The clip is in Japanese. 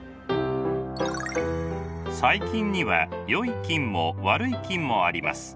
細菌にはよい菌も悪い菌もあります。